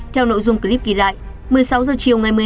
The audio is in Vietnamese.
theo nội dung clip ghi lại